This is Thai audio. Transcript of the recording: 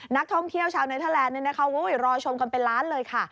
นักท่องเที่ยวชาวเนเทอร์แลนด์รอชมกันเป็นล้านเลยค่ะ